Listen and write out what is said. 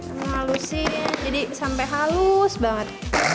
saya halusin jadi sampai halus banget